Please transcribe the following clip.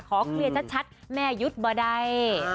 ขอเคลียรซัดแม่หยุดบดัย